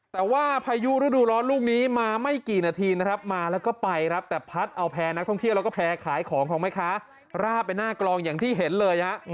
แต่ว่าพายุฤดูร้อนลูกนี้มาไม่กี่นาทีนะครับมาแล้วก็ไปครับแต่พัดเอาแพร่นักท่องเที่ยวแล้วก็แพร่ขายของของแม่ค้าราบไปหน้ากลองอย่างที่เห็นเลยฮะ